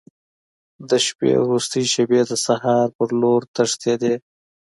د شپې وروستۍ شېبې د سهار په لور تښتېدې.